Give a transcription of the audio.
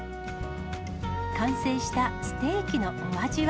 完成したステーキのお味は。